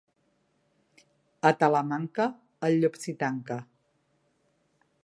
A Talamanca, el llop s'hi tanca.